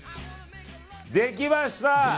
できました！